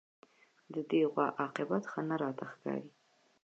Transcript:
د دې غوا عاقبت ښه نه راته ښکاري